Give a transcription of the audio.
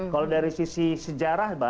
kalau dari sisi sejarah